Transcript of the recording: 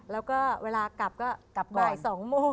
แล้วก็เวลากลับก็กลับบ่าย๒โมง